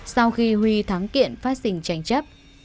sau khi huy thắng kiện phát sinh tranh chấp